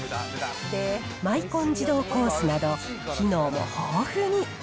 マイコン自動コースなど、機能も豊富に。